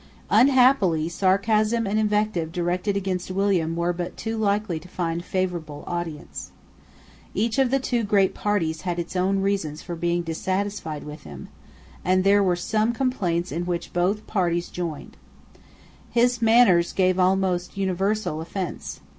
Unhappily sarcasm and invective directed against William were but too likely to find favourable audience. Each of the two great parties had its own reasons for being dissatisfied with him; and there were some complaints in which both parties joined. His manners gave almost universal offence.